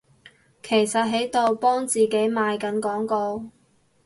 其實喺度幫自己賣緊廣告？